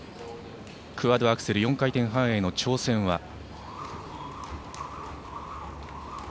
クアッドアクセル４回転半への挑戦は。